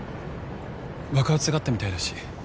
爆発があったみたいだし